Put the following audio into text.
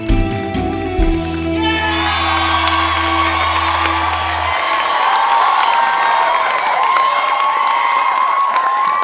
เก็บแรงไว้กอดลูกชายจางใครเขาทำแม่มีสุขใจ